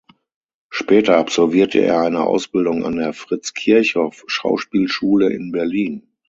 Später absolvierte er eine Ausbildung an der Fritz-Kirchhoff-Schauspielschule in Berlin.